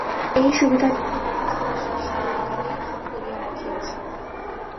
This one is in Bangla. এই সুবিধাটুকুর ব্যবস্থা সে সেই বিকালেই করিয়া রাখিয়াছে।